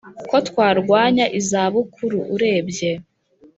ko twarwanya izabukuru urebye